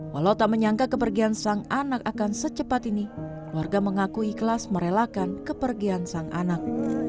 walau tak menyangka kepergian sang anak akan secepat ini warga mengaku ikhlas merelakan kepergian sang anak